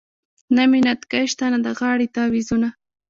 نه مې نتکې شته نه د غاړې تعویذونه .